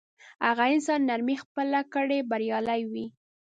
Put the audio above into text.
هغه انسان نرمي خپله کړي بریالی وي.